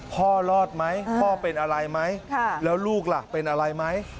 พ่อรอดไหมพ่อเป็นอะไรไหมแล้วลูกล่ะเป็นอะไรไหม